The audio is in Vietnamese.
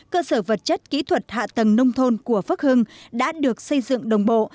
cơ sở vật chất kỹ thuật hạ tầng nông thôn của phước hưng đã được xây dựng đồng bộ